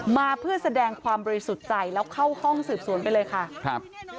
มาเพื่อแสดงความบริสุทธิ์ใจแล้วเข้าห้องสืบสวนไปเลยค่ะครับ